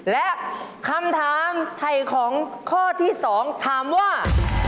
และคำถามไถ่ของข้อที่๒ถามว่า